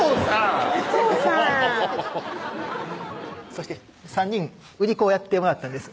そして３人売り子をやってもらったんです